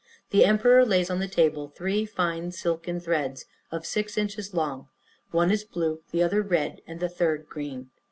The emperor lays on the table three fine silken threads of six inches long: one is blue, the other red, and the third green.